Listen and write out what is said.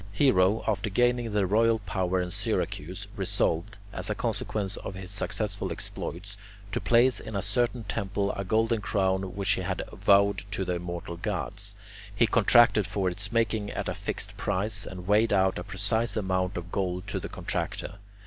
Hiero, after gaining the royal power in Syracuse, resolved, as a consequence of his successful exploits, to place in a certain temple a golden crown which he had vowed to the immortal gods. He contracted for its making at a fixed price, and weighed out a precise amount of gold to the contractor.